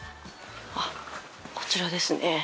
あっこちらですね。